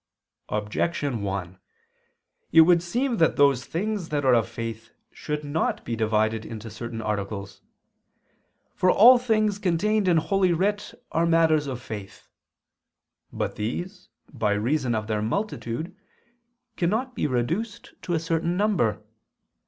Objection 1: It would seem that those things that are of faith should not be divided into certain articles. For all things contained in Holy Writ are matters of faith. But these, by reason of their multitude, cannot be reduced to a certain number.